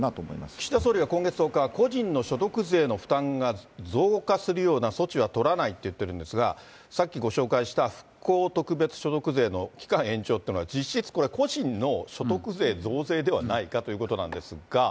岸田総理は今月１０日、個人の所得税の負担が増加するような措置は取らないって言ってるんですが、さっきご紹介した、復興特別所得税の期間延長というのは、実質これ、個人の所得税増税ではないかということなんですが。